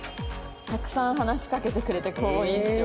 「たくさん話しかけてくれて好印象」。